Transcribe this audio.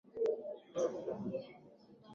kabla ya jua Malipo ya kuingia na mashtaka